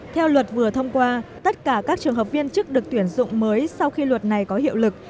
theo luật vừa thông qua tất cả các trường hợp viên chức được tuyển dụng mới sau khi luật này có hiệu lực